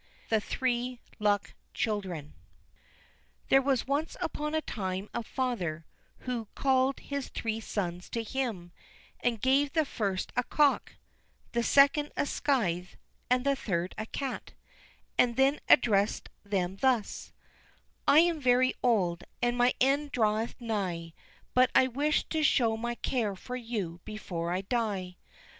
The Three Luck Children There was once upon a time a father, who called his three sons to him, and gave the first a cock, the second a scythe, and the third a cat, and then addressed them thus: "I am very old, and my end draweth nigh, but I wish to show my care for you before I die.